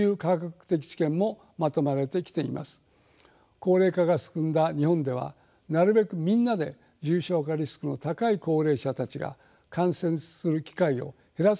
高齢化が進んだ日本ではなるべくみんなで重症化リスクの高い高齢者たちが感染する機会を減らす配慮が必要です。